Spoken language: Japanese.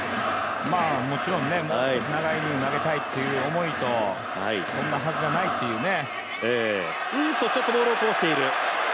もちろんね、もう少し長いイニング投げたいという思いとこんなはずじゃないっていうね。